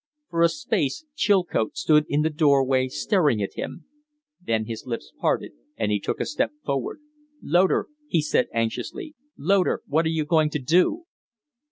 For a space Chilcote stood in the doorway staring at him; then his lips parted and he took a step forward. "Loder " he said, anxiously. "Loder, what are you going to do?"